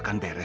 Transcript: dia sama aja